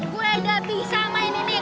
gue gak bisa main ini